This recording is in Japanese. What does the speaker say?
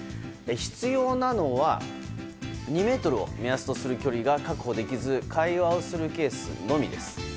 必要なのは２ｍを目安とする距離が確保できず会話をするケースのみです。